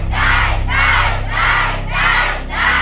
ได้